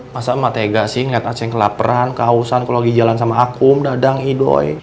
masa sama tega sih ngeliat aceh kelaperan kausan kalau lagi jalan sama akum dadang idoy